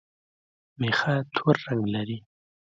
مېخه تور رنګ لري